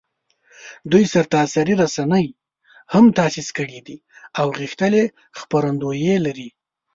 دوی سرتاسري رسنۍ هم تاسیس کړي دي او غښتلي خپرندویې لري